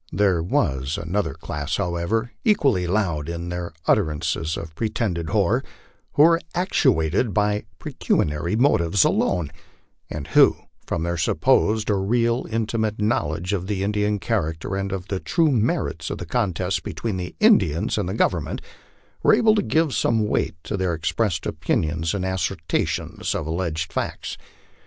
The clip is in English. There was another class, however, equally loud in their utterances of pretended horror, who were actuated by pecuniary motives alone, and who, from their supposed or real intimate knowl edge of Indian character and of the true merits of the contest between the In dians and the Government, were able to give some weight to their expressed opinions and assertions of alleged facts.